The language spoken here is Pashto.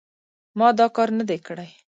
ما دا کار نه دی کړی.